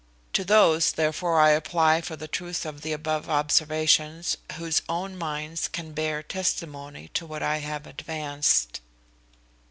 To those therefore I apply for the truth of the above observations, whose own minds can bear testimony to what I have advanced.